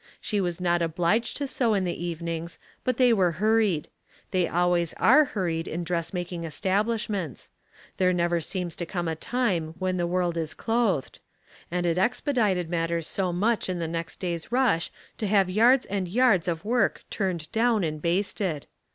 She was not obliged to sew in the evenings, but they were hurried ; they always are hurried in dressmaking establishments; there never seems to come a time when the w^orld is clothed ; and it expedited matters so much in the next day's rush to have yards anl yards of work turned down and basted.